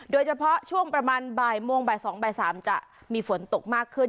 โดยเฉพาะช่วงประมาณบ่ายโมงบ่าย๒บ่าย๓จะมีฝนตกมากขึ้น